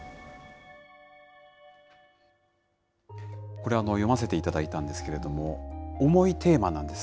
これ、読ませていただいたんですけれども、重いテーマなんです。